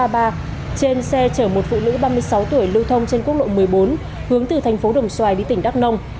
trên xe chở một phụ nữ ba mươi sáu tuổi lưu thông trên quốc lộ một mươi bốn hướng từ thành phố đồng xoài đi tỉnh đắk nông